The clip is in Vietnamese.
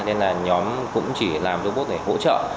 nên nhóm cũng chỉ làm robot để hỗ trợ